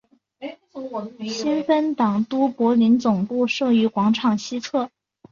新芬党都柏林总部设于广场西侧。